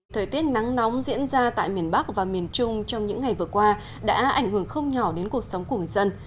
thời tiết nắng nóng diễn ra tại miền bắc và miền trung trong những ngày vừa qua đã ảnh hưởng không nhỏ đến cuộc sống của người dân